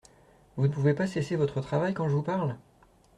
Vous ne pouvez pas cesser votre travail quand je vous parle ?